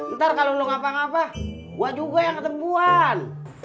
ntar kalau lo ngapa ngapa gua juga yang ketembuhan